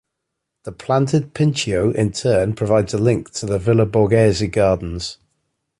The planted Pincio in turn provides a link to the Villa Borghese gardens.